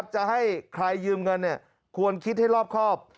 จะให้ใครยืมเงินควรคิดให้รอบครอบ